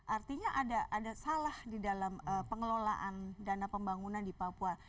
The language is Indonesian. artinya ada salah di dalam pengelolaan dana pembangunan di papua